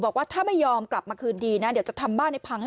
บอกว่าถ้าไม่ยอมกลับมาคืนดีนะเดี๋ยวจะทำบ้านให้พังให้